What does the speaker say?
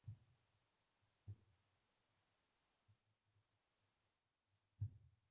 Rafael বেনিতেজের Real মাদ্রিদের coach হওয়া নিয়ে এখন সংশয় খুব সামান্যই।